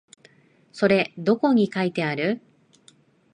それどこに書いてある？